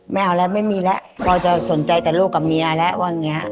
ไม่เอาแล้วไม่มีแล้วพอจะสนใจแต่ลูกกับเมียแล้วว่าอย่างนี้